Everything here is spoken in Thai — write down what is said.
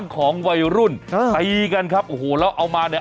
ของกันครับโอ้โหแล้วเอามาอะไร